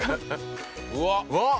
うわっ！